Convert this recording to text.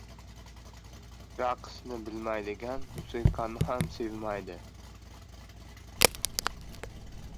• Raqsni bilmaydigan musiqani ham sevmaydi.